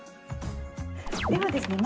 ではですね